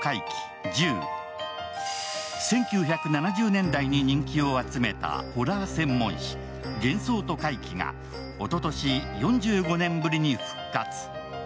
１９７０年代に人気を集めたホラー専門誌「幻想と怪奇」がおととし４５年ぶりに復活。